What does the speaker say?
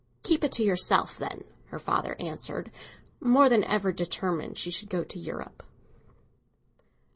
"Keep it to yourself, then," her father answered, more than ever determined she should go to Europe.